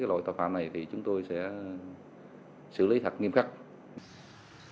trong quá trình tiếp nhận sự liên lạc chúng tôi sẽ làm hết trách nhiệm trong quá trình tiên triền giáo dục khắp lực đến nhân dân